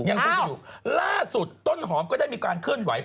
หลักสุดต้นหอมก็ได้มีการเคลื่อนไหว